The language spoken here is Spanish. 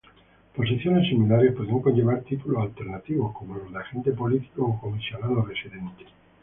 Posiciones similares podían conllevar títulos alternativos como los de agente político o comisionado residente.